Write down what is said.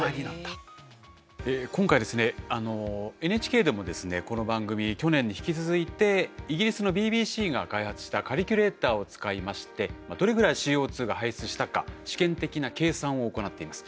今回ですねＮＨＫでもですねこの番組去年に引き続いてイギリスのＢＢＣが開発したカリキュレーターを使いましてどれぐらいＣＯが排出したか試験的な計算を行っています。